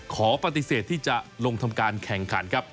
ขอปฏิเสธที่จะลงทำการแข่งขันครับ